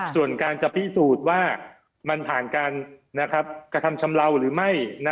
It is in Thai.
ส่วนการจะพิสูจน์ว่ามันผ่านการกระทำชำเลาหรือไม่